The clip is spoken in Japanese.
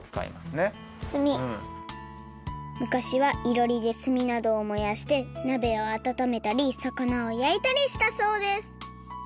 昔はいろりですみなどをもやしてなべをあたためたりさかなをやいたりしたそうです